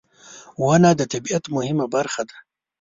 • ونه د طبیعت مهمه برخه ده.